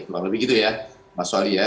kurang lebih gitu ya mas wali ya